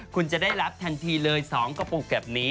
คุณจะได้รับทันทีเลย๒กระปุกแบบนี้